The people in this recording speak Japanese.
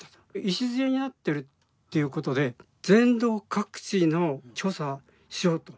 礎になってるということで全道各地の調査しようと。